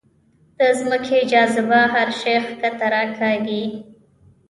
د ځمکې جاذبه هر شی ښکته راکاږي.